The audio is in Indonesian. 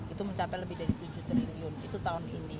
itu mencapai lebih dari tujuh triliun itu tahun ini